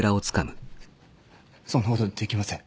そんなことできません。